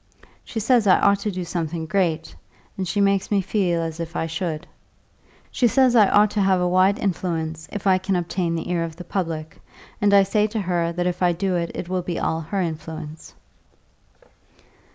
She says I ought to do something great, and she makes me feel as if I should. She says I ought to have a wide influence, if I can obtain the ear of the public; and I say to her that if I do it will be all her influence."